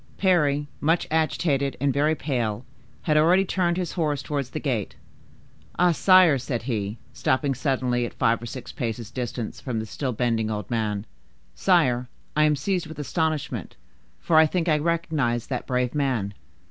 Parry, much agitated and very pale, had already turned his horse towards the gate. "Ah, sire!" said he, stopping suddenly at five or six paces' distance from the still bending old man: "sire, I am seized with astonishment, for I think I recognize that brave man.